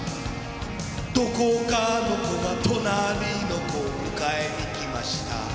「どこかの子が隣りの子を迎えに来ました」